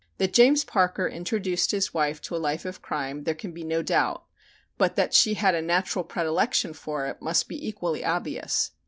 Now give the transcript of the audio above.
That James Parker introduced his wife to a life of crime there can be no doubt, but that she had a natural predilection for it must be equally obvious.